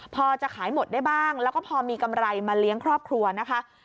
พอจะขายหมดได้บ้างแล้วก็พอมีกำไรมาเลี้ยงครอบครัวนะคะ